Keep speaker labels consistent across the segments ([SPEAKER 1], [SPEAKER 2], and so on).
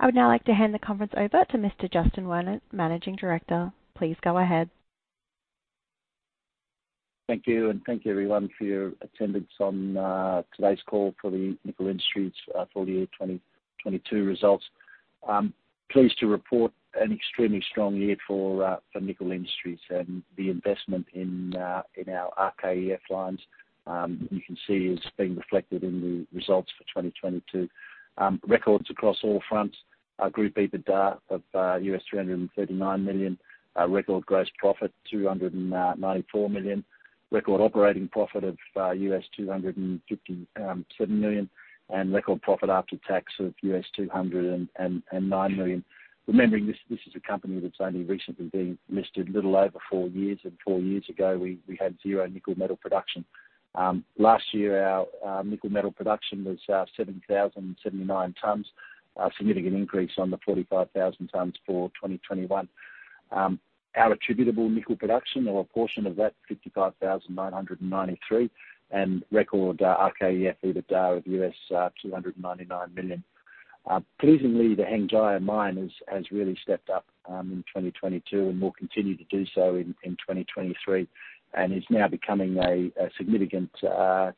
[SPEAKER 1] I would now like to hand the conference over to Mr. Justin Werner, Managing Director. Please go ahead.
[SPEAKER 2] Thank you, and thank you everyone for your attendance on today's call for the Nickel Industries full year 2022 results. I'm pleased to report an extremely strong year for Nickel Industries and the investment in our RKEF lines, you can see is being reflected in the results for 2022. Records across all fronts. Our group EBITDA of $339 million, record gross profit, $294 million. Record operating profit of $257 million, and record profit after tax of $209 million. Remembering this is a company that's only recently been listed a little over four years. Four years ago, we had zero nickel metal production. Last year, our nickel metal production was 7,079 tons, a significant increase on the 45,000 tons for 2021. Our attributable nickel production or a portion of that, 55,993, and record RKEF EBITDA of US $299 million. Pleasingly, the Hengjaya mine has really stepped up in 2022 and will continue to do so in 2023, and is now becoming a significant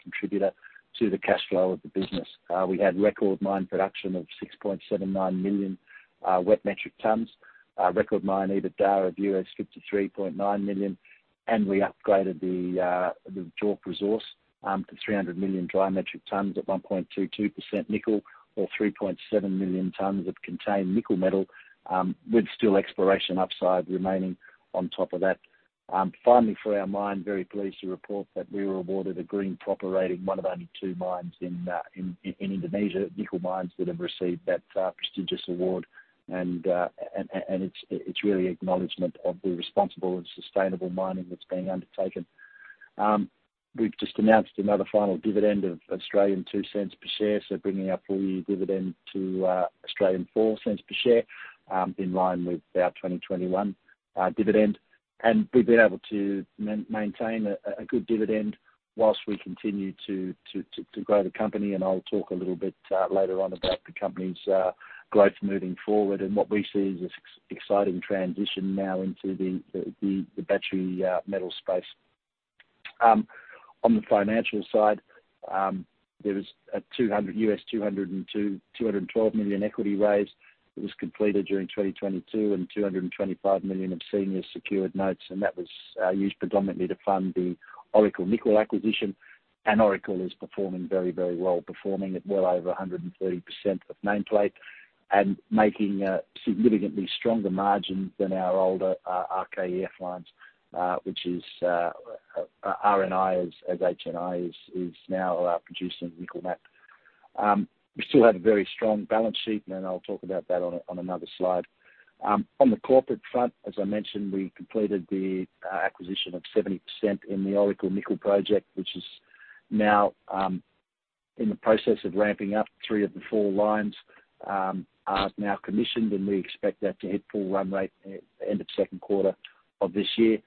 [SPEAKER 2] contributor to the cash flow of the business. We had record mine production of 6.79 million wet metric tons. record mine EBITDA of $53.9 million, and we upgraded the JORC resource, to 300 million dry metric tons at 1.22% nickel, or 3.7 million tons of contained nickel metal, with still exploration upside remaining on top of that. Finally for our mine, very pleased to report that we were awarded a Green PROPER Rating, one of only two mines in Indonesia, nickel mines that have received that prestigious award. It's really acknowledgment of the responsible and sustainable mining that's being undertaken. We've just announced another final dividend of 0.02 per share, so bringing our full year dividend to 0.04 per share, in line with our 2021 dividend. we've been able to maintain a good dividend whilst we continue to grow the company, I'll talk a little bit later on about the company's growth moving forward. What we see is this exciting transition now into the battery metal space. On the financial side, there was a US $212 million equity raise that was completed during 2022, and $225 million of senior secured notes, and that was used predominantly to fund the Oracle Nickel acquisition. Oracle is performing very, very well, performing at well over 130% of nameplate and making significantly stronger margins than our older RKEF lines, which is RNI, as HNI is now producing nickel matte. We still have a very strong balance sheet, and then I'll talk about that on another slide. On the corporate front, as I mentioned, we completed the acquisition of 70% in the Oracle Nickel Project, which is now in the process of ramping up. Three of the four lines are now commissioned, and we expect that to hit full run rate at end of second quarter of this year.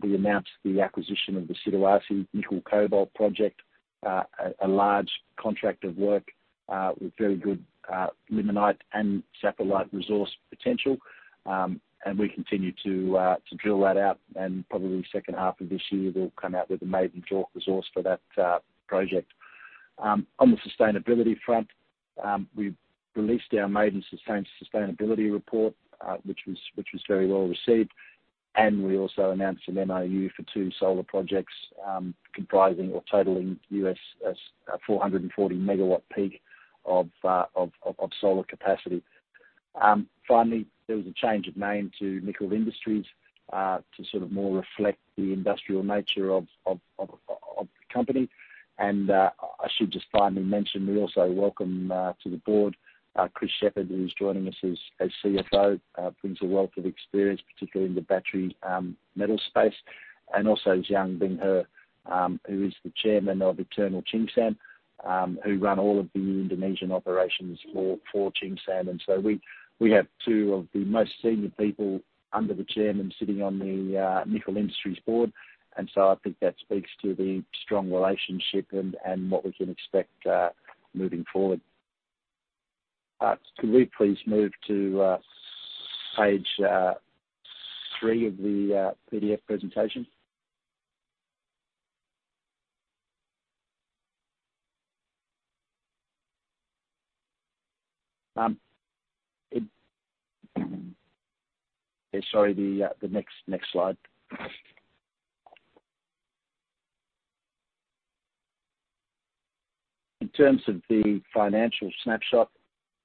[SPEAKER 2] We announced the acquisition of the Siduarsi Nickel-Cobalt Project, a large Contract of Work with very good limonite and saprolite resource potential. We continue to drill that out and probably second half of this year, we'll come out with a maiden JORC resource for that project. On the sustainability front, we've released our maiden sustainability report, which was very well received. We also announced an MoU for two solar projects, comprising or totaling 440 megawatt peak of solar capacity. Finally, there was a change of name to Nickel Industries, to sort of more reflect the industrial nature of the company. I should just finally mention, we also welcome to the board Chris Shepherd, who is joining us as CFO, brings a wealth of experience, particularly in the battery metal space, and also Xiang Binghe, who is the chairman of Eternal Tsingshan, who run all of the Indonesian operations for Tsingshan. We have two of the most senior people under the chairman sitting on the Nickel Industries board, and so I think that speaks to the strong relationship and what we can expect moving forward. Could we please move to page three of the PDF presentation? Okay, sorry. The next slide. In terms of the financial snapshot,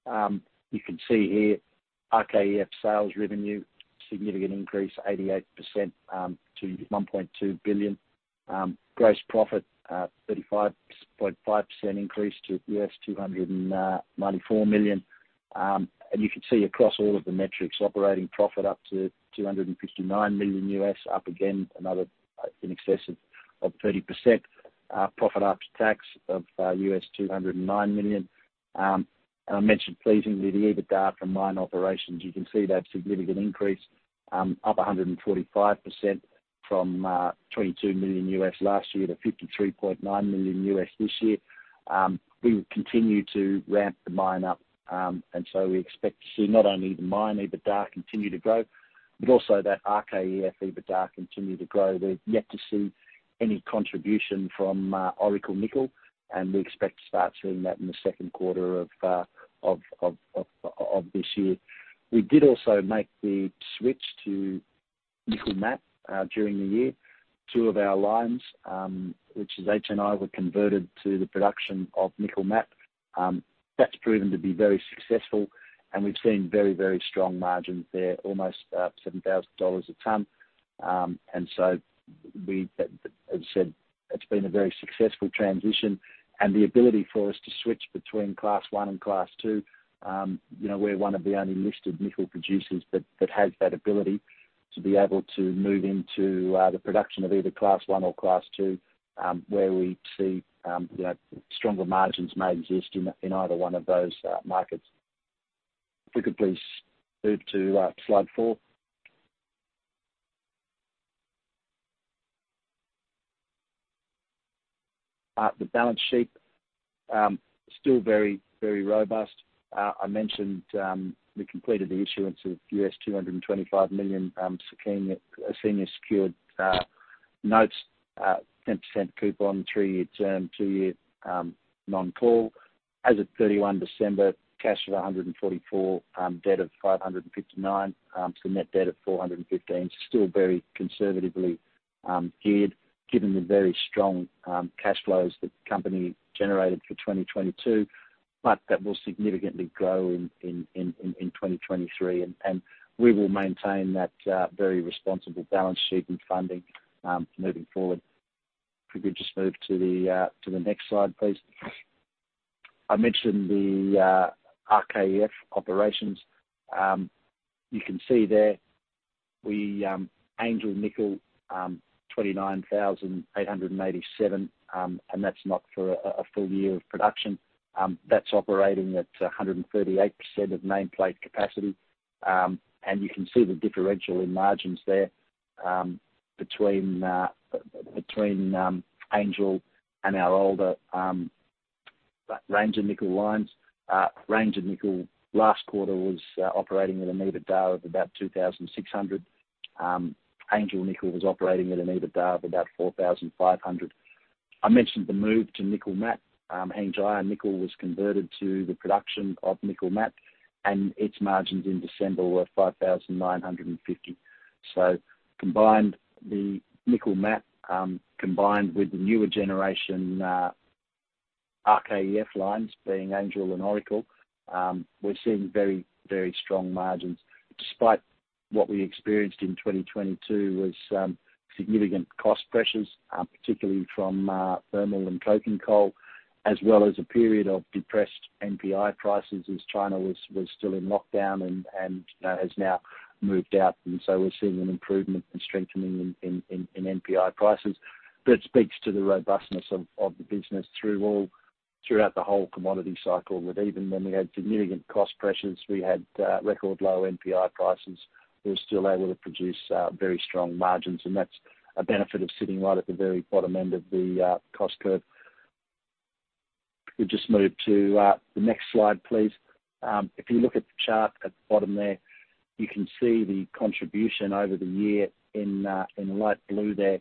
[SPEAKER 2] you can see here RKEF sales revenue, significant increase, 88%, to $1.2 billion. Gross profit, 35.5% increase to $294 million. You can see across all of the metrics, operating profit up to $259 million, up again another in excess of 30%. Profit after tax of $209 million. I mentioned pleasingly the EBITDA from mine operations. You can see they have significant increase, up 145%. From $22 million last year to $53.9 million this year. We will continue to ramp the mine up, and so we expect to see not only the mine EBITDA continue to grow, but also that RKEF EBITDA continue to grow. We're yet to see any contribution from Oracle Nickel. We expect to start seeing that in the second quarter of this year. We did also make the switch to nickel matte during the year. Two of our lines, which is HNI, were converted to the production of nickel matte. That's proven to be very successful and we've seen very, very strong margins there, almost $7,000 a ton. We... As I said, it's been a very successful transition. The ability for us to switch between Class I and Class II, you know, we're one of the only listed nickel producers that has that ability to be able to move into the production of either Class I or Class II, where we see, you know, stronger margins may exist in either one of those markets. We could please move to slide 4. The balance sheet still very, very robust. I mentioned we completed the issuance of $225 million senior secured notes at 10% coupon, three-year term, two-year non-call. As of 31 December, cash of $144 million, debt of $559 million, net debt of $415 million. Still very conservatively geared given the very strong cash flows the company generated for 2022, that will significantly grow in 2023. We will maintain that very responsible balance sheet and funding moving forward. If we could just move to the next slide, please. I mentioned the RKEF operations. You can see there we Angel Nickel 29,887, and that's not for a full year of production. That's operating at 138% of nameplate capacity. You can see the differential in margins there between Angel and our older Ranger Nickel lines. Ranger Nickel last quarter was operating at an EBITDA of about $2,600. Angel Nickel was operating at an EBITDA of about $4,500. I mentioned the move to nickel matte. Hengjaya Nickel was converted to the production of nickel matte, and its margins in December were $5,950. Combined, the nickel matte, combined with the newer generation RKEF lines being Angel and Oracle, we're seeing very, very strong margins. Despite what we experienced in 2022 was significant cost pressures, particularly from thermal and coking coal, as well as a period of depressed NPI prices as China was still in lockdown and, you know, has now moved out. We're seeing an improvement and strengthening in NPI prices. It speaks to the robustness of the business throughout the whole commodity cycle. That even when we had significant cost pressures, we had record low NPI prices, we were still able to produce very strong margins, and that's a benefit of sitting right at the very bottom end of the cost curve. If we just move to the next slide, please. If you look at the chart at the bottom there, you can see the contribution over the year in light blue there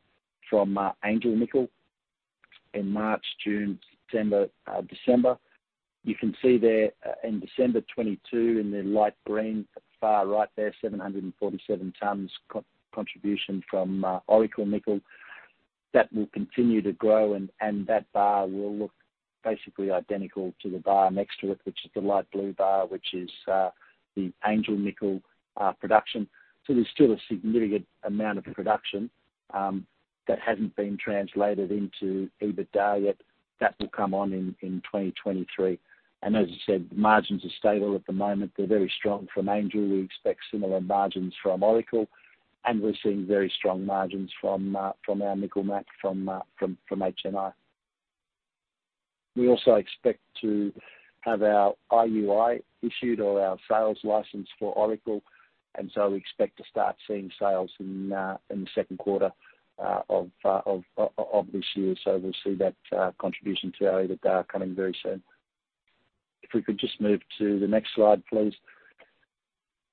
[SPEAKER 2] from Angel Nickel in March, June, September, December. You can see there, in December 2022 in the light green at the far right there, 747 tons co-contribution from Oracle Nickel. That will continue to grow and that bar will look basically identical to the bar next to it, which is the light blue bar, which is the Angel Nickel production. There's still a significant amount of production that hasn't been translated into EBITDA yet. That will come on in 2023. As I said, margins are stable at the moment. They're very strong from Angel. We expect similar margins from Oracle. We're seeing very strong margins from our nickel matte from HNI. We also expect to have our IUI issued or our sales license for Oracle, we expect to start seeing sales in the second quarter of this year. We'll see that contribution to our EBITDA coming very soon. If we could just move to the next slide, please.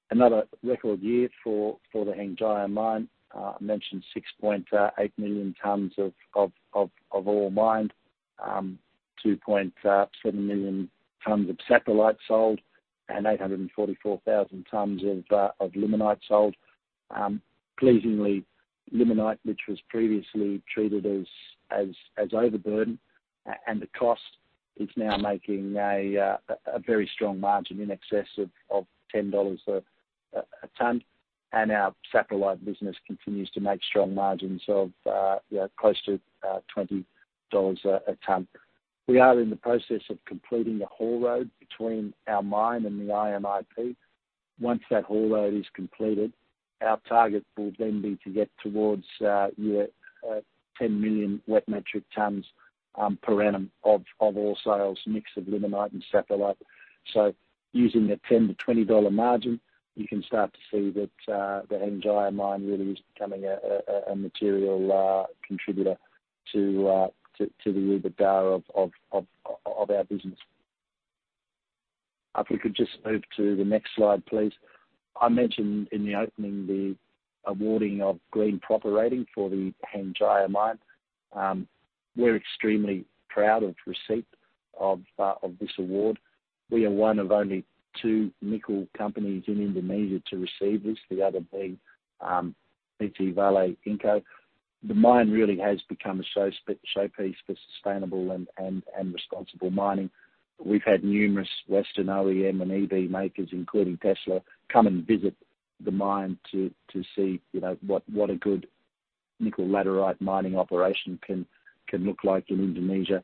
[SPEAKER 2] Another record year for the Hengjaya mine. I mentioned 6.8 million tons of ore mined. 2.7 million tons of saprolite sold and 844,000 tons of limonite sold. Pleasingly, limonite, which was previously treated as overburden, and the cost is now making a very strong margin in excess of $10 a ton. Our saprolite business continues to make strong margins of, you know, close to $20 a ton. We are in the process of completing a haul road between our mine and the IMIP. Once that haul road is completed, our target will then be to get towards, you know, 10 million wet metric tons per annum of all sales mix of limonite and saprolite. Using the $10-$20 margin, you can start to see that the Hengjaya Mine really is becoming a material contributor to the EBITDA of our business. If we could just move to the next slide, please. I mentioned in the opening the awarding of Green PROPER Rating for the Hengjaya Mine. We're extremely proud of receipt of this award. We are one of only two nickel companies in Indonesia to receive this, the other being PT Vale INCO. The mine really has become a showpiece for sustainable and responsible mining. We've had numerous Western OEM and EV makers, including Tesla, come and visit the mine to see, you know, what a good nickel laterite mining operation can look like in Indonesia,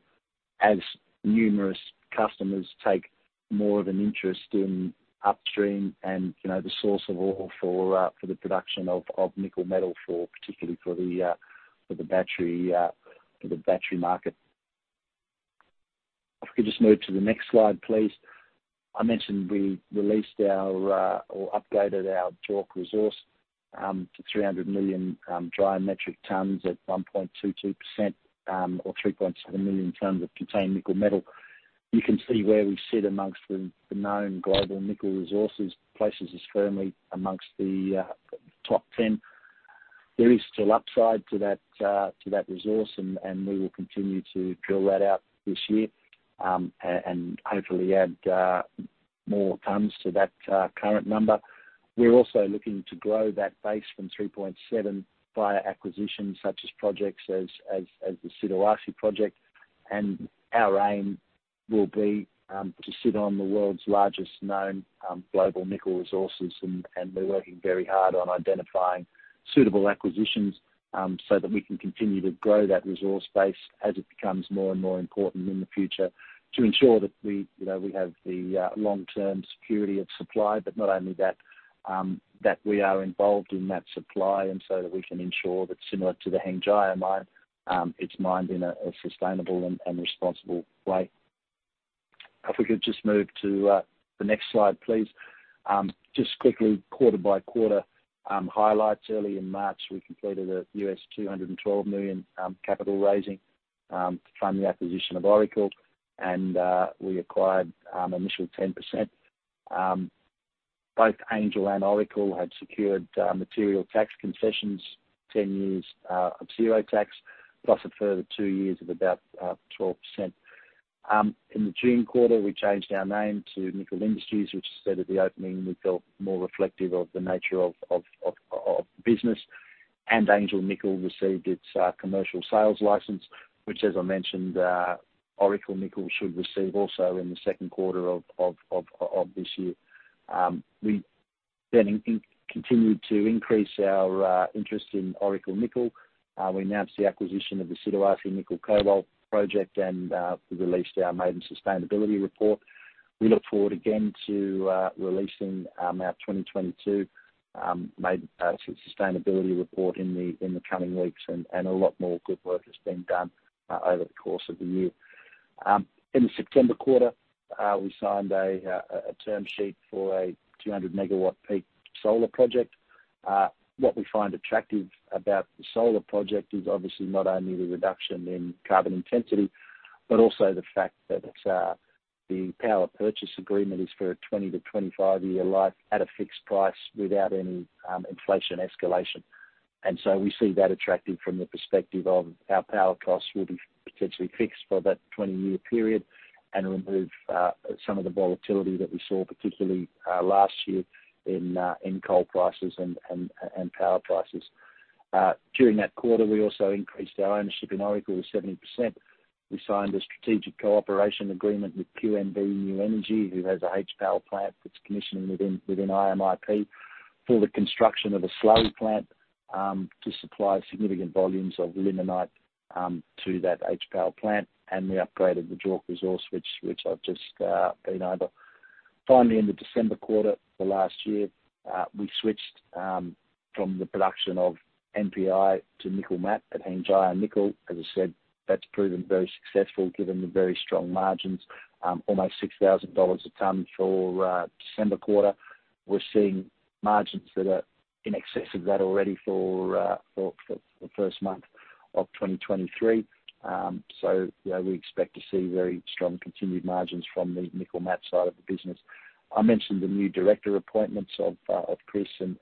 [SPEAKER 2] as numerous customers take more of an interest in upstream and, you know, the source of ore for the production of nickel metal for particularly for the battery market. If we could just move to the next slide, please. I mentioned we released our or upgraded our JORC resource to 300 million dry metric tons at 1.22% or 3.7 million tons of contained nickel metal. You can see where we sit amongst the known global nickel resources. Places us firmly amongst the top 10. There is still upside to that to that resource and we will continue to drill that out this year and hopefully add more tons to that current number. We're also looking to grow that base from 3.7 via acquisitions such as projects as the Siduarsi project. Our aim will be to sit on the world's largest known global nickel resources. We're working very hard on identifying suitable acquisitions so that we can continue to grow that resource base as it becomes more and more important in the future to ensure that we, you know, we have the long-term security of supply. Not only that we are involved in that supply and so that we can ensure that similar to the Hengjaya Mine, it's mined in a sustainable and responsible way. If we could just move to the next slide, please. Just quickly, quarter by quarter, highlights early in March, we completed a $212 million capital raising to fund the acquisition of Oracle. We acquired initial 10%. Both Angel and Oracle had secured material tax concessions, 10 years of 0% tax, plus a further two years of about 12%. In the June quarter, we changed our name to Nickel Industries, which as said at the opening, we felt more reflective of the nature of business. Angel Nickel received its commercial sales license, which as I mentioned, Oracle Nickel should receive also in the 2Q of this year. We then continued to increase our interest in Oracle Nickel. We announced the acquisition of the Siduarsi Nickel-Cobalt Project, and we released our Maiden Sustainability Report. We look forward again to releasing our 2022 Maiden Sustainability Report in the coming weeks, a lot more good work has been done over the course of the year. In the September quarter, we signed a term sheet for a 200 megawatt peak solar project. What we find attractive about the solar project is obviously not only the reduction in carbon intensity, but also the fact that the power purchase agreement is for a 20-25 year life at a fixed price without any inflation escalation. We see that attractive from the perspective of our power costs will be potentially fixed for that 20-year period and remove some of the volatility that we saw, particularly last year in coal prices and power prices. During that quarter, we also increased our ownership in Oracle to 70%. We signed a strategic cooperation agreement with QMB New Energy, who has a HPAL plant that's commissioning within IMIP, for the construction of a slurry plant to supply significant volumes of limonite to that HPAL plant. We upgraded the JORC resource, which I've just been over. Finally, in the December quarter for last year, we switched from the production of NPI to nickel matte at Hengjaya Nickel. As I said, that's proven very successful given the very strong margins, almost $6,000 a ton for December quarter. We're seeing margins that are in excess of that already for the first month of 2023. So, you know, we expect to see very strong continued margins from the nickel matte side of the business. I mentioned the new director appointments of Chris and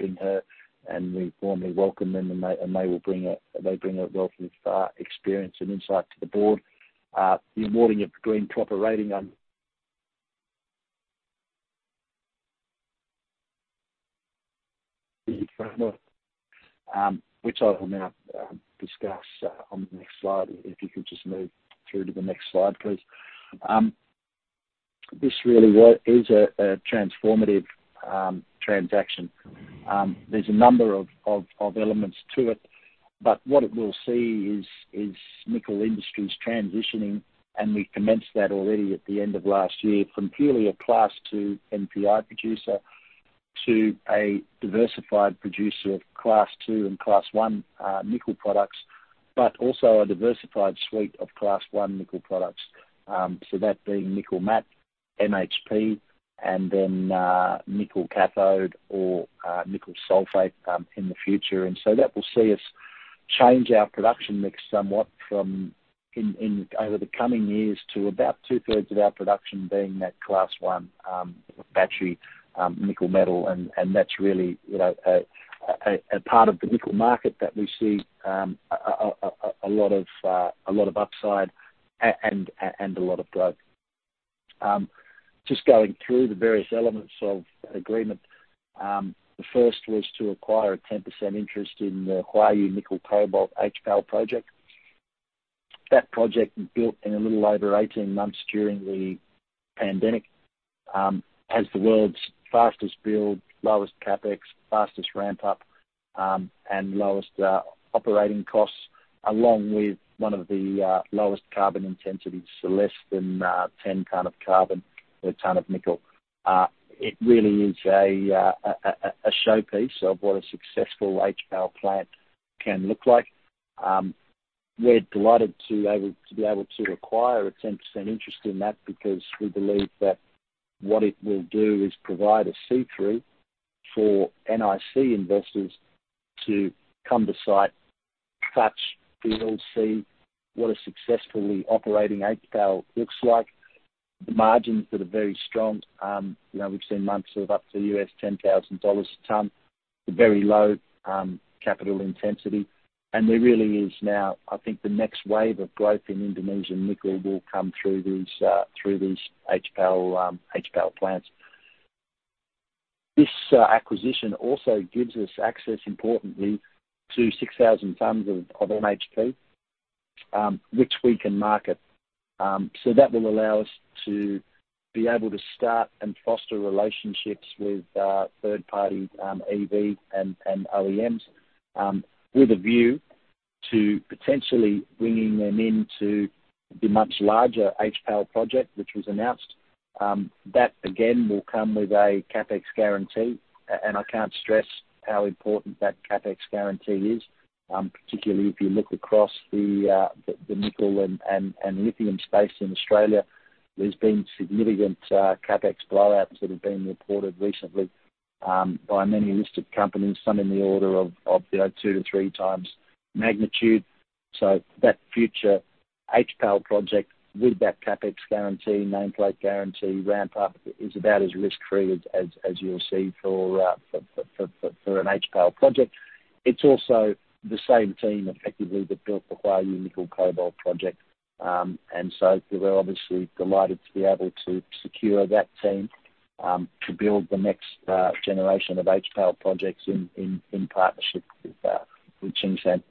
[SPEAKER 2] Binghe, and we warmly welcome them, and they will bring a, they bring a wealth of experience and insight to the board. The awarding of Green PROPER Rating on... Which I will now discuss on the next slide. If you could just move through to the next slide, please. This really is a transformative transaction. There's a number of elements to it, but what it will see is Nickel Industries transitioning, and we commenced that already at the end of last year, from purely a Class II NPI producer to a diversified producer of Class II and Class I nickel products, but also a diversified suite of Class I nickel products. So that being nickel matte, MHP, and then nickel cathode or nickel sulfate in the future. That will see us change our production mix somewhat from over the coming years to about two-thirds of our production being that Class I battery nickel metal. That's really, you know, a part of the nickel market that we see, a lot of upside and a lot of growth. Just going through the various elements of that agreement. The first was to acquire a 10% interest in the Huayou Nickel Cobalt HPAL project. That project was built in a little over 18 months during the pandemic, has the world's fastest build, lowest CapEx, fastest ramp up, and lowest operating costs, along with one of the lowest carbon intensities to less than 10 ton of carbon or ton of nickel. It really is a showpiece of what a successful HPAL plant can look like. We're delighted to be able to acquire a 10% interest in that because we believe that what it will do is provide a see-through for NIC investors to come to site, touch, feel, see what a successfully operating HPAL looks like. The margins that are very strong, you know, we've seen months of up to $10,000 a ton, the very low capital intensity. There really is now, I think, the next wave of growth in Indonesian nickel will come through these, through these HPAL plants. This acquisition also gives us access, importantly, to 6,000 tons of MHP, which we can market. That will allow us to be able to start and foster relationships with third party EV and OEMs with a view to potentially bringing them in to the much larger HPAL project which was announced. That again, will come with a CapEx guarantee. I can't stress how important that CapEx guarantee is, particularly if you look across the nickel and lithium space in Australia. There's been significant CapEx blowouts that have been reported recently by many listed companies, some in the order of, you know, two-three times magnitude. That future HPAL project with that CapEx guarantee, nameplate guarantee, ramp up is about as risk-free as you'll see for an HPAL project. It's also the same team effectively that built the Huayou Nickel Cobalt project. We're obviously delighted to be able to secure that team to build the next generation of HPAL projects in partnership with Tsingshan.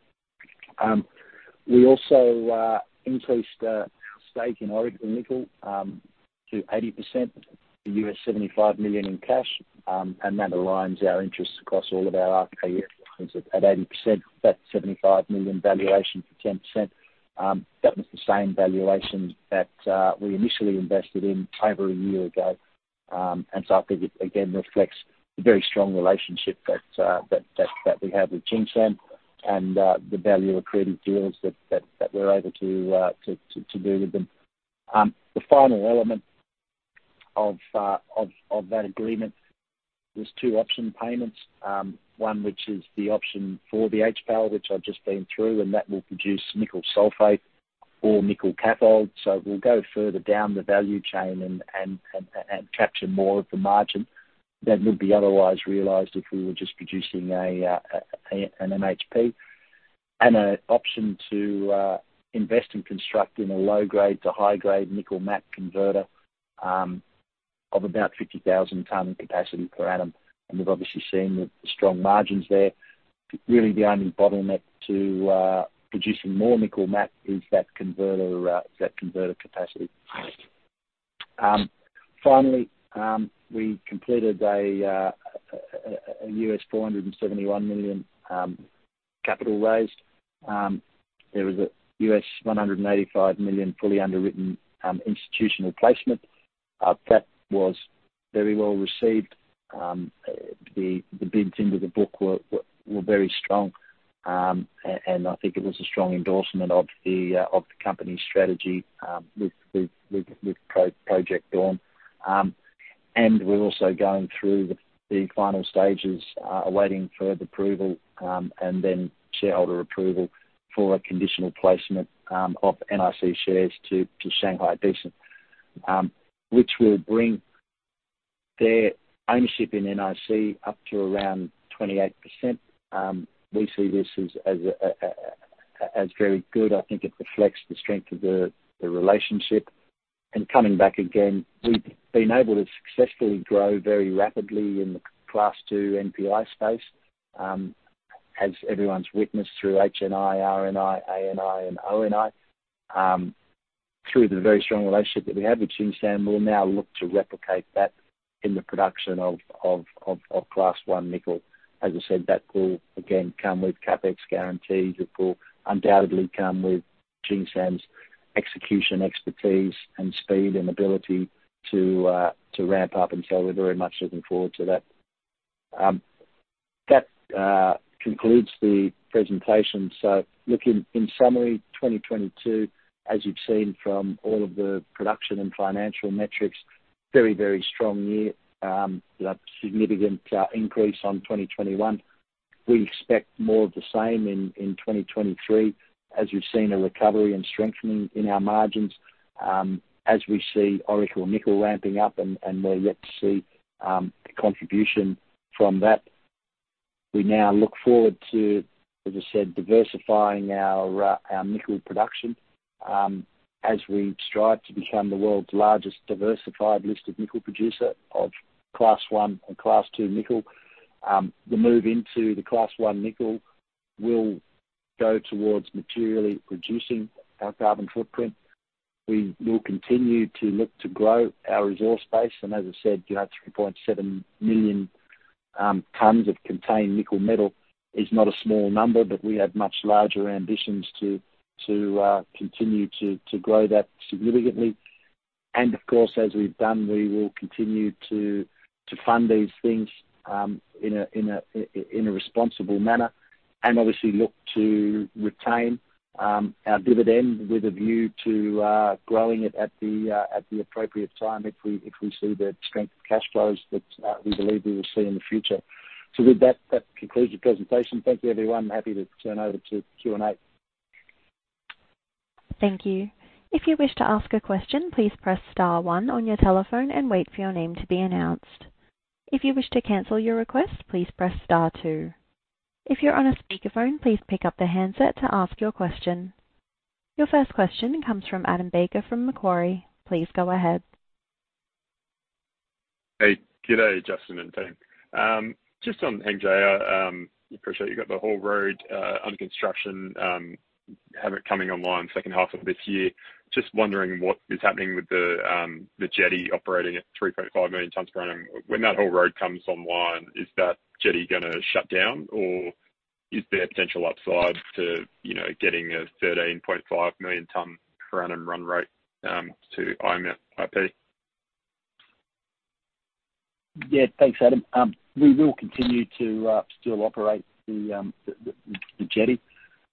[SPEAKER 2] We also increased our stake in Oracle Nickel to 80% for $75 million in cash. That aligns our interests across all of our RKEF at 80%. That $75 million valuation for 10% that was the same valuation that we initially invested in over a year ago. I think it again reflects the very strong relationship that we have with Tsingshan and the value-accretive deals that we're able to do with them. The final element of that agreement is two option payments. One which is the option for the HPAL, which I've just been through, that will produce nickel sulfate or nickel cathode. We'll go further down the value chain and capture more of the margin that would be otherwise realized if we were just producing an MHP. A option to invest and construct in a low-grade to high-grade nickel mat converter of about 50,000 ton capacity per annum. We've obviously seen the strong margins there. Really, the only bottleneck to producing more nickel mat is that converter capacity. Finally, we completed a $471 million capital raise. There was a $185 million fully underwritten institutional placement that was very well received. The bids into the book were very strong. I think it was a strong endorsement of the company's strategy with Project Dawn. We're also going through the final stages awaiting further approval and then shareholder approval for a conditional placement of NIC shares to Shanghai Decent. Which will bring their ownership in NIC up to around 28%. We see this as very good. I think it reflects the strength of the relationship. Coming back again, we've been able to successfully grow very rapidly in the Class II NPI space, as everyone's witnessed through HNI, RNI, ANI, and ONI. Through the very strong relationship that we have with Tsingshan, we'll now look to replicate that in the production of Class I nickel. As I said, that will again come with CapEx guarantees. It will undoubtedly come with Tsingshan's execution, expertise, and speed and ability to ramp up. We're very much looking forward to that. That concludes the presentation. Looking in summary, 2022, as you've seen from all of the production and financial metrics, very, very strong year. Significant increase on 2021. We expect more of the same in 2023, as we've seen a recovery and strengthening in our margins, as we see Oracle Nickel ramping up, and we're yet to see the contribution from that. We now look forward to, as I said, diversifying our nickel production, as we strive to become the world's largest diversified listed nickel producer of Class I and Class II nickel. The move into the Class I nickel will go towards materially reducing our carbon footprint. We will continue to look to grow our resource base and as I said, you know, 3.7 million tons of contained nickel metal is not a small number, but we have much larger ambitions to continue to grow that significantly. Of course, as we've done, we will continue to fund these things, in a responsible manner. Obviously look to retain our dividend with a view to growing it at the appropriate time if we see the strength of cash flows that we believe we will see in the future. With that concludes the presentation. Thank you, everyone. Happy to turn over to Q&A.
[SPEAKER 1] Thank you. If you wish to ask a question, please press star one on your telephone and wait for your name to be announced. If you wish to cancel your request, please press star two. If you're on a speakerphone, please pick up the handset to ask your question. Your first question comes from Adam Baker from Macquarie. Please go ahead.
[SPEAKER 3] Hey, good day, Justin and team. Just on Hengjaya, appreciate you got the whole road under construction, have it coming online second half of this year. Just wondering what is happening with the jetty operating at 3.5 million tons per annum. When that whole road comes online, is that jetty gonna shut down or is there potential upside to, you know, getting a 13.5 million ton per annum run rate to IMIP?
[SPEAKER 2] Yeah. Thanks, Adam. We will continue to still operate the jetty.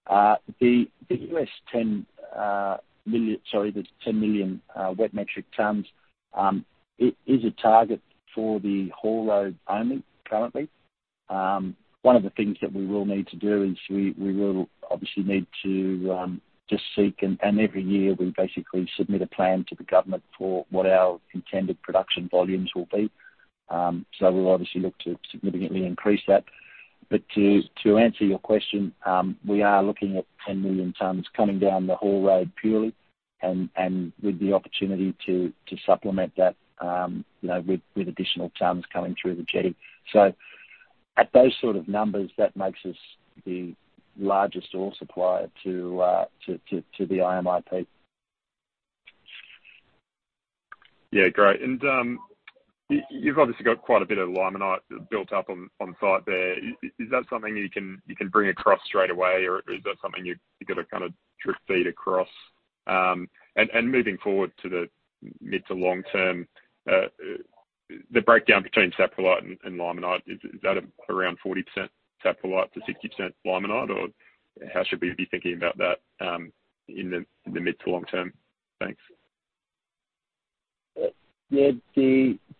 [SPEAKER 2] The 10 million wet metric tons is a target for the haul road only currently. One of the things that we will need to do is we will obviously need to just seek and every year we basically submit a plan to the government for what our intended production volumes will be. We'll obviously look to significantly increase that. To answer your question, we are looking at 10 million tons coming down the haul road purely and with the opportunity to supplement that, you know, with additional tons coming through the jetty. At those sort of numbers, that makes us the largest ore supplier to the IMIP.
[SPEAKER 3] Yeah, great. You've obviously got quite a bit of limonite built up on site there. Is that something you can bring across straight away or is that something you gotta kinda drip-feed across? Moving forward to the mid to long term, the breakdown between saprolite and limonite, is that around 40% saprolite to 60% limonite or how should we be thinking about that in the mid to long term? Thanks.
[SPEAKER 2] Yeah,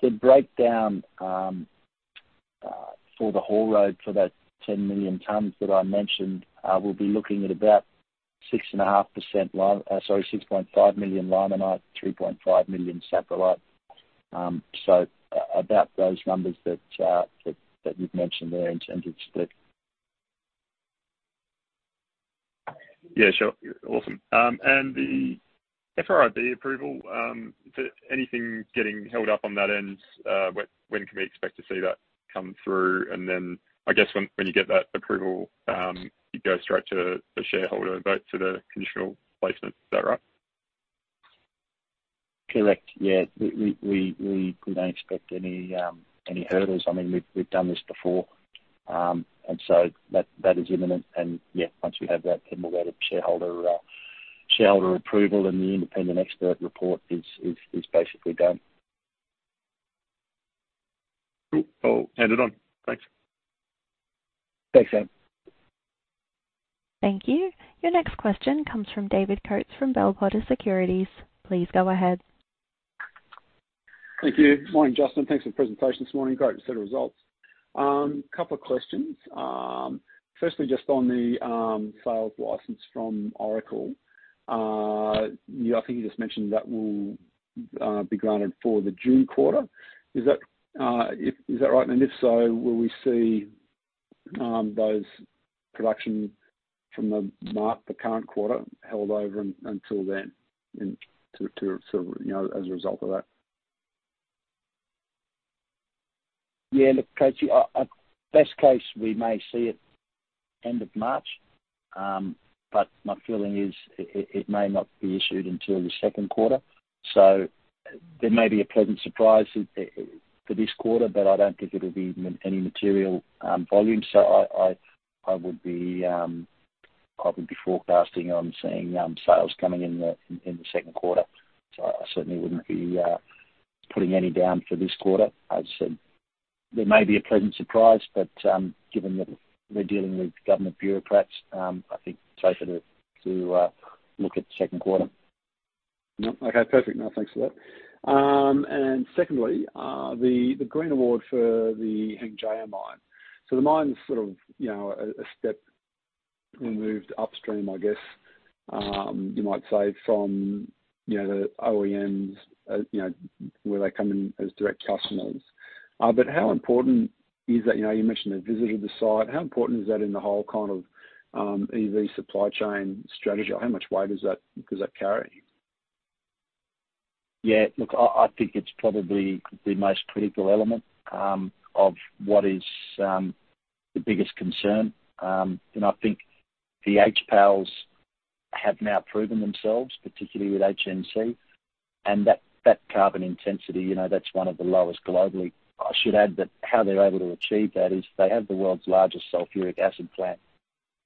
[SPEAKER 2] the breakdown for the haul road for that 10 million tons that I mentioned, we'll be looking at about 6.5 million limonite, 3.5 million saprolite. About those numbers that you've mentioned there in terms of split.
[SPEAKER 3] Yeah, sure. Awesome. The RKAB approval, is there anything getting held up on that end? When can we expect to see that come through? Then I guess when you get that approval, you go straight to the shareholder vote to the conditional placement. Is that right?
[SPEAKER 2] Correct. Yeah. We don't expect any hurdles. I mean, we've done this before. That is imminent. Once we have that we'll go to shareholder approval. The independent expert report is basically done.
[SPEAKER 3] Cool. I'll hand it on. Thanks.
[SPEAKER 2] Thanks, Adam.
[SPEAKER 1] Thank you. Your next question comes from David Coates from Bell Potter Securities. Please go ahead.
[SPEAKER 4] Thank you. Morning, Justin. Thanks for the presentation this morning. Great set of results. Couple of questions. Firstly, just on the sales license from Oracle. I think you just mentioned that will be granted for the June quarter. Is that right? If so, will we see those production from the March, the current quarter, held over until then, you know, as a result of that?
[SPEAKER 2] Yeah. Look, Coatesy, our best case we may see it end of March, but my feeling is it may not be issued until the second quarter. There may be a pleasant surprise for this quarter, but I don't think it'll be any material volume. I would be forecasting on seeing sales coming in the, in the second quarter. I certainly wouldn't be putting any down for this quarter. As I said, there may be a pleasant surprise, but given that we're dealing with government bureaucrats, I think it's safer to look at the second quarter.
[SPEAKER 4] Okay. Perfect. No, thanks for that. Secondly, the Green Award for the Hengjaya Mine. The mine's sort of, you know, a step removed upstream, I guess, you might say from, you know, the OEMs, you know, where they come in as direct customers. How important is that? You know, you mentioned a visit to the site. How important is that in the whole kind of, EV supply chain strategy? Or how much weight does that, does that carry?
[SPEAKER 2] Yeah. Look, I think it's probably the most critical element of what is the biggest concern. You know, I think the HPALs have now proven themselves, particularly with HNC, and that carbon intensity, you know, that's one of the lowest globally. I should add that how they're able to achieve that is they have the world's largest sulfuric acid plant,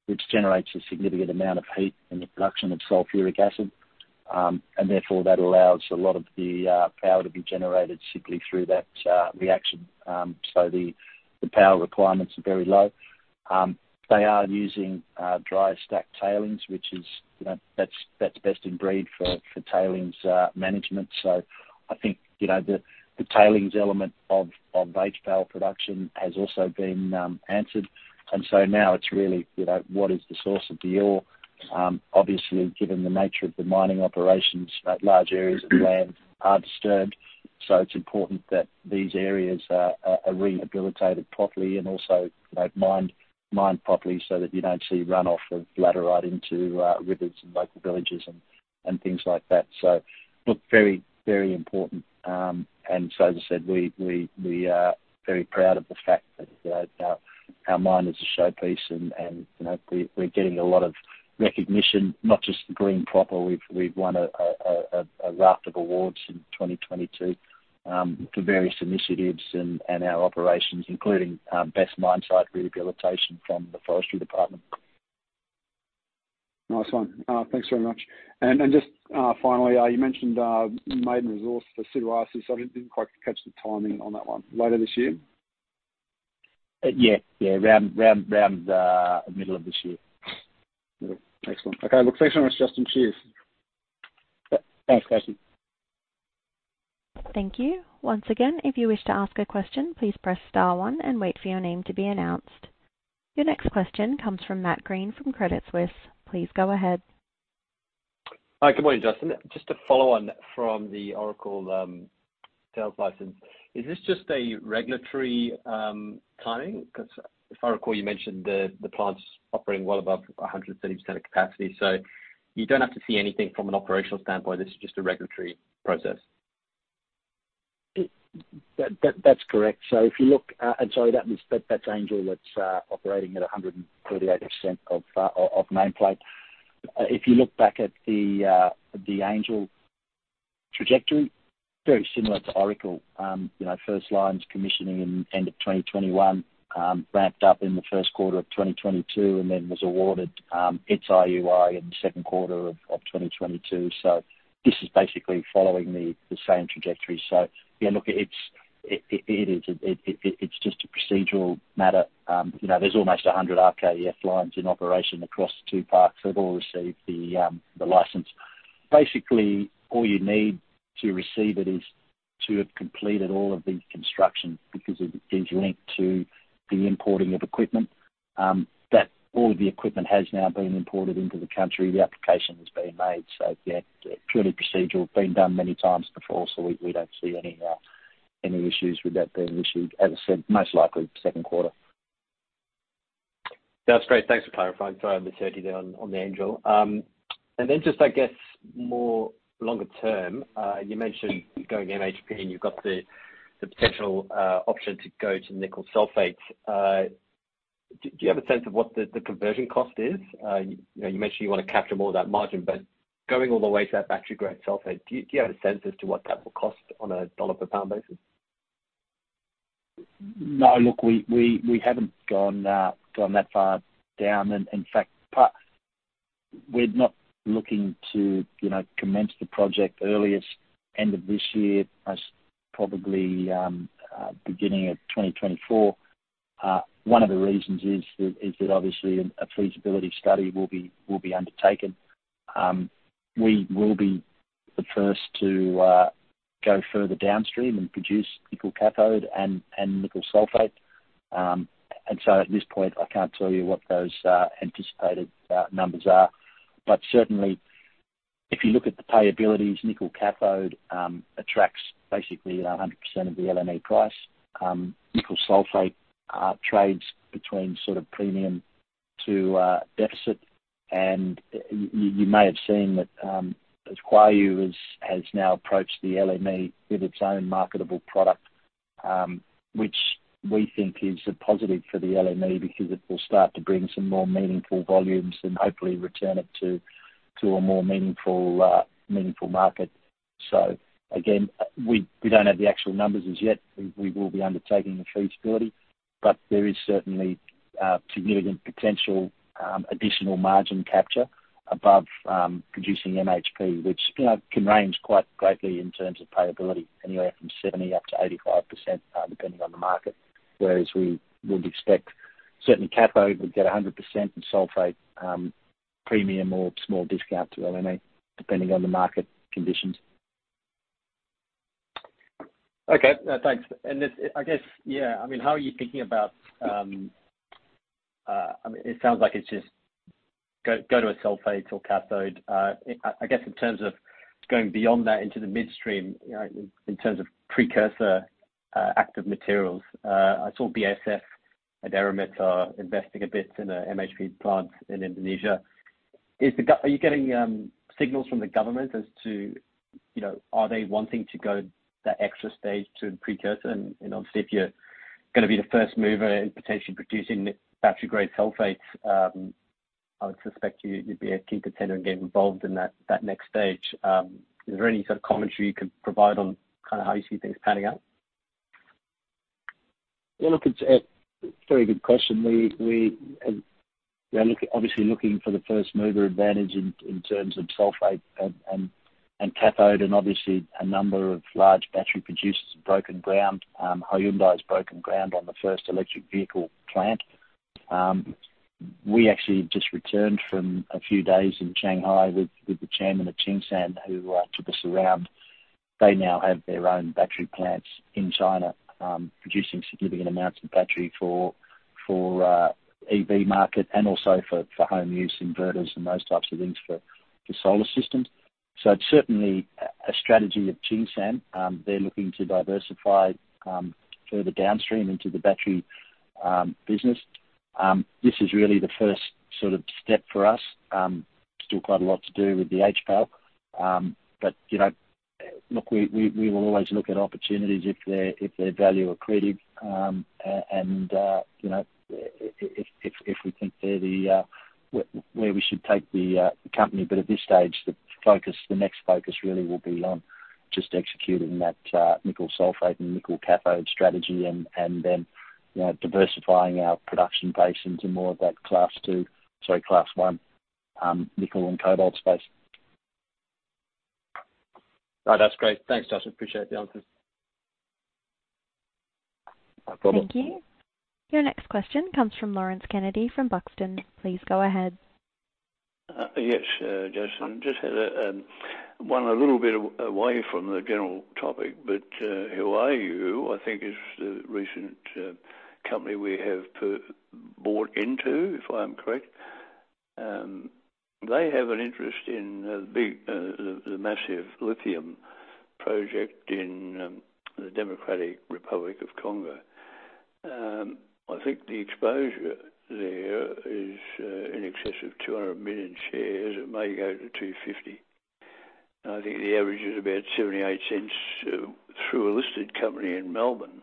[SPEAKER 2] which generates a significant amount of heat in the production of sulfuric acid. Therefore, that allows a lot of the power to be generated simply through that reaction. The power requirements are very low. They are using dry stack tailings, which is, you know, that's best in breed for tailings management. I think, you know, the tailings element of HPAL production has also been answered. Now it's really, you know, what is the source of the ore. Obviously, given the nature of the mining operations, large areas of land are disturbed. It's important that these areas are rehabilitated properly and also, you know, mined properly so that you don't see runoff of laterite into rivers and local villages and things like that. Look, very important. As I said, we are very proud of the fact that our mine is a showpiece and, you know, we're getting a lot of recognition, not just the Green PROPER. We've won a raft of awards in 2022 for various initiatives and our operations, including Best Mine Site Rehabilitation from the Forestry Department.
[SPEAKER 4] Nice one. Thanks very much. Just, finally, you mentioned maiden resource for Siduarsi. I didn't quite catch the timing on that one. Later this year?
[SPEAKER 2] Yeah. Around the middle of this year.
[SPEAKER 4] Excellent. Okay. Look, thanks very much, Justin. Cheers.
[SPEAKER 2] Thanks, Coatesy.
[SPEAKER 1] Thank you. Once again, if you wish to ask a question, please press star one and wait for your name to be announced. Your next question comes from Matt Greene from Credit Suisse. Please go ahead.
[SPEAKER 5] Hi. Good morning, Justin. Just to follow on from the Oracle sales license, is this just a regulatory timing? Cause if I recall, you mentioned the plant's operating well above 130% of capacity. You don't have to see anything from an operational standpoint. This is just a regulatory process.
[SPEAKER 2] That's correct. If you look, sorry, that's Angel that's operating at 138% of nameplate. If you look back at the Angel trajectory, very similar to Oracle. You know, first line's commissioning in end of 2021, ramped up in the first quarter of 2022, and then was awarded its IUI in the second quarter of 2022. This is basically following the same trajectory. Yeah, look, it is just a procedural matter. You know, there's almost 100 RKEF lines in operation across the two parks that all received the license. Basically, all you need to receive it is to have completed all of the construction because it is linked to the importing of equipment, that all of the equipment has now been imported into the country. The application has been made. Yeah, purely procedural. Been done many times before. We don't see any issues with that being issued. As I said, most likely second quarter.
[SPEAKER 5] Sounds great. Thanks for clarifying. Sorry on the certainty there on the Angel. And then just, I guess more longer term, you mentioned going MHP, and you've got the potential option to go to nickel sulfate. Do you have a sense of what the conversion cost is? You know, you mentioned you wanna capture more of that margin, but going all the way to that battery-grade sulfate, do you have a sense as to what that will cost on a dollar per pound basis?
[SPEAKER 2] No. Look, we haven't gone that far down. In fact, we're not looking to, you know, commence the project earliest end of this year, most probably beginning of 2024. One of the reasons is that obviously a feasibility study will be undertaken. We will be the first to go further downstream and produce nickel cathode and nickel sulfate. At this point, I can't tell you what those anticipated numbers are. Certainly if you look at the payabilities, nickel cathode attracts basically 100% of the LME price. Nickel sulfate trades between sort of premium to deficit. You may have seen that, as Huayou has now approached the LME with its own marketable product. Which we think is a positive for the LME because it will start to bring some more meaningful volumes and hopefully return it to a more meaningful market. Again, we don't have the actual numbers as yet. We will be undertaking the feasibility. There is certainly significant potential additional margin capture above producing MHP, which, you know, can range quite greatly in terms of payability, anywhere from 70%-85%, depending on the market. We would expect certainly cathode would get 100% and sulfate, premium or small discount to LME, depending on the market conditions.
[SPEAKER 5] Okay. Thanks. This, I guess, yeah, I mean, how are you thinking about, I mean, it sounds like it's just go to a sulfate or cathode. I guess in terms of going beyond that into the midstream, you know, in terms of precursor, active materials, I saw BASF and Eramet are investing a bit in a MHP plant in Indonesia. Are you getting signals from the government as to, you know, are they wanting to go that extra stage to precursor and, you know, see if you're gonna be the first mover in potentially producing battery-grade sulfates? I would suspect you'd be a key contender in getting involved in that next stage. Is there any sort of commentary you could provide on kinda how you see things panning out?
[SPEAKER 2] Well, look, it's a very good question. We are obviously looking for the first mover advantage in terms of sulfate and cathode and obviously a number of large battery producers have broken ground. Hyundai has broken ground on the first electric vehicle plant. We actually just returned from a few days in Shanghai with the chairman of Tsingshan who took us around. They now have their own battery plants in China, producing significant amounts of battery for EV market and also for home use inverters and those types of things for solar systems. It's certainly a strategy of Tsingshan. They're looking to diversify further downstream into the battery business. This is really the first sort of step for us. Still quite a lot to do with the HPAL. You know, look, we will always look at opportunities if they're value accretive, and, you know, if we think they're where we should take the company. At this stage, the focus, the next focus really will be on just executing that nickel sulfate and nickel cathode strategy and then, you know, diversifying our production base into more of that Class II, sorry, Class I, nickel and cobalt space.
[SPEAKER 5] No, that's great. Thanks, Justin. Appreciate the answers.
[SPEAKER 2] No problem.
[SPEAKER 1] Thank you. Your next question comes from Lawrence Kennedy from Buxton. Please go ahead.
[SPEAKER 6] Yes, Justin. Just had a one a little bit away from the general topic, but Huayou, I think, is the recent company we have bought into, if I'm correct. They have an interest in the massive lithium project in the Democratic Republic of Congo. I think the exposure there is in excess of 200 million shares. It may go to 250. I think the average is about $0.78 through a listed company in Melbourne.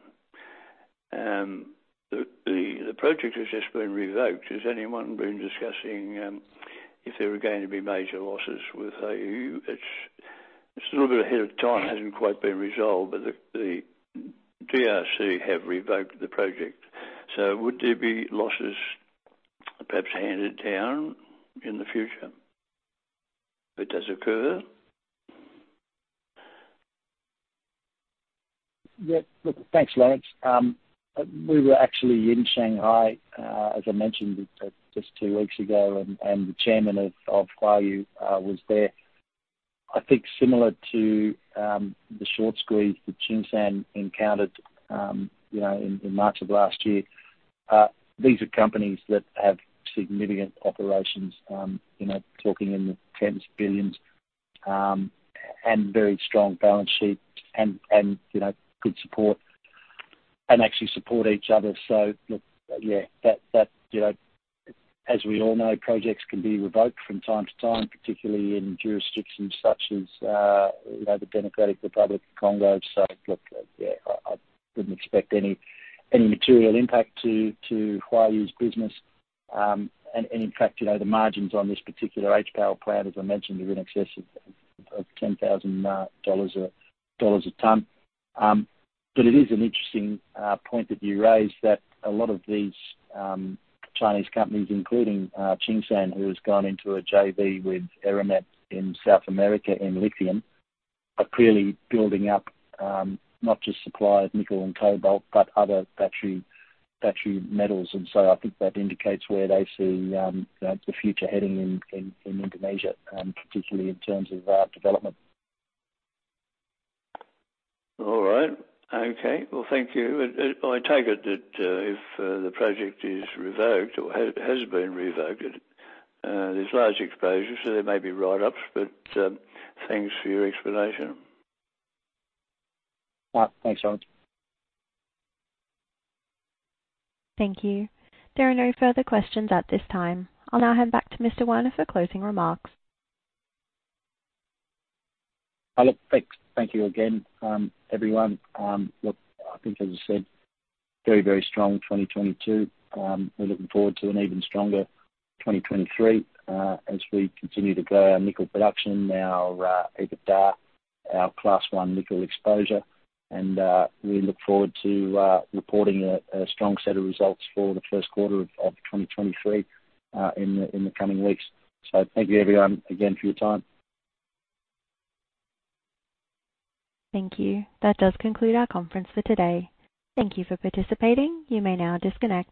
[SPEAKER 6] The project has just been revoked. Has anyone been discussing if there were going to be major losses with Huayou? It's a little bit ahead of time, hasn't quite been resolved, but the DRC have revoked the project. Would there be losses perhaps handed down in the future if it does occur?
[SPEAKER 2] Yeah. Look, thanks, Lawrence. We were actually in Shanghai, as I mentioned, just two weeks ago, and the chairman of Huayou was there. I think similar to the short squeeze that Tsingshan encountered, you know, in March of last year, these are companies that have significant operations, you know, talking in the tens of billions, and very strong balance sheets and, you know, good support and actually support each other. Look, yeah, that, you know, as we all know, projects can be revoked from time to time, particularly in jurisdictions such as, you know, the Democratic Republic of Congo. Look, yeah, I wouldn't expect any material impact to Huayou's business. And in fact, you know, the margins on this particular HPAL plant, as I mentioned, are in excess of $10,000 a ton. It is an interesting point that you raised that a lot of these Chinese companies, including Tsingshan, who has gone into a JV with Eramet in South America in lithium, are clearly building up not just supply of nickel and cobalt, but other battery metals. I think that indicates where they see, you know, the future heading in Indonesia, particularly in terms of development.
[SPEAKER 6] All right. Okay. Well, thank you. I take it that if the project is revoked or has been revoked, there's large exposure, so there may be write-ups, but thanks for your explanation.
[SPEAKER 2] All right. Thanks, Lawrence.
[SPEAKER 1] Thank you. There are no further questions at this time. I'll now hand back to Mr. Werner for closing remarks.
[SPEAKER 2] Look, thanks. Thank you again, everyone. Look, I think as I said, very, very strong 2022. We're looking forward to an even stronger 2023 as we continue to grow our nickel production, our EBITDA, our Class I nickel exposure. We look forward to reporting a strong set of results for the first quarter of 2023 in the coming weeks. Thank you everyone again for your time.
[SPEAKER 1] Thank you. That does conclude our conference for today. Thank you for participating. You may now disconnect.